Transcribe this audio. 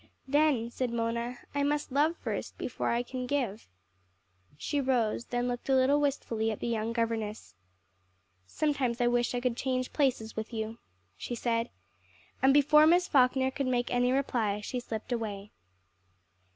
"Then," said Mona, "I must love first, before I can give." She rose, then looked a little wistfully at the young governess. "Sometimes I wish I could change places with you," she said, and before Miss Falkner could make any reply she slipped away.